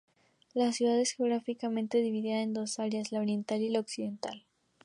La ciudad es geográficamente dividida a dos áreas, la oriental y la occidental.